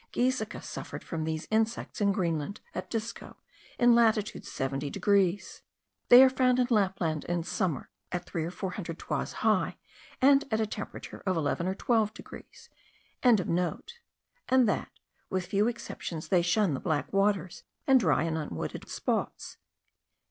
Giesecke suffered from these insects in Greenland, at Disco, in latitude 70 degrees. They are found in Lapland in summer, at three or four hundred toises high, and at a temperature of 11 or 12 degrees.); and that, with few exceptions, they shun the black waters, and dry and unwooded spots.